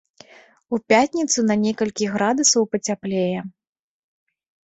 У пятніцу на некалькі градусаў пацяплее.